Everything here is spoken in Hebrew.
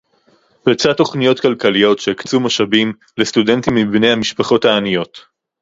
לצד תוכניות כלכליות שהקצו משאבים לסטודנטים מבני המשפחות העניות